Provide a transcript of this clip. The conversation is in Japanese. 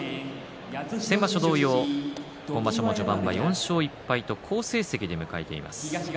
先場所同様、今場所も序盤４勝１敗と好成績で迎えています。